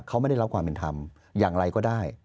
เขาไม่ได้รับความเป็นธรรมอย่างไรก็ได้